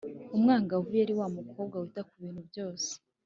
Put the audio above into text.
umwangavu yari wa mukobwa wita ku bintu byose